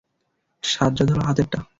সাজ্জাদ হলো হাতেরটা।